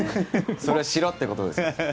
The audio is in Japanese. それはしろってことですか？